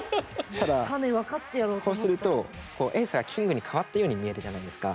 ただこうするとエースがキングに変わったように見えるじゃないですか。